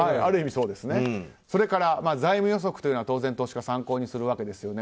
それから財務予測というのは当然参考にするわけです。